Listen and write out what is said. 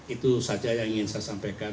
itu saja yang ingin saya sampaikan